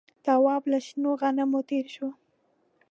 تواب له شنو غنمو تېر شو.